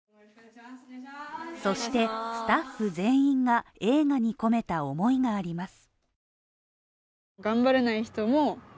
そしてスタッフ全員が映画に込めた思いがあります。